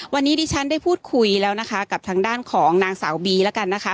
วันนี้ดิฉันได้พูดคุยแล้วนะคะกับทางด้านของนางสาวบีแล้วกันนะคะ